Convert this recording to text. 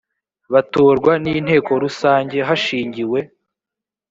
batorwa n inteko rusange hashingiwe